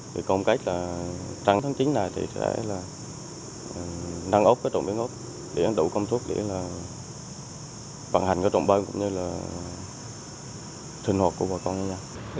thì công cách là tháng tháng chín này thì sẽ là nâng ốp cái trộm biến ốp để đủ công thuốc để là vận hành cái trộm bơm cũng như là sinh hoạt của bà con người dân